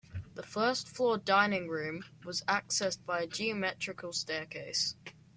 The first-floor dining-room was accessed by a geometrical staircase.